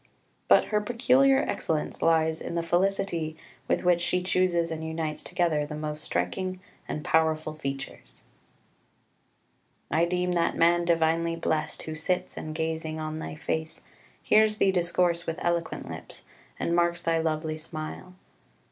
But her peculiar excellence lies in the felicity with which she chooses and unites together the most striking and powerful features. 2 "I deem that man divinely blest Who sits, and, gazing on thy face, Hears thee discourse with eloquent lips, And marks thy lovely smile.